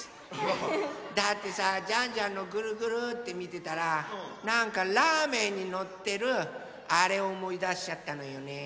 だってさジャンジャンのぐるぐるってみてたらなんかラーメンにのってるあれおもいだしちゃったのよね。